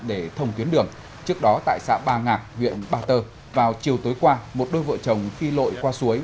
để thông tuyến đường trước đó tại xã ba ngạc huyện ba tơ vào chiều tối qua một đôi vợ chồng phi lội qua suối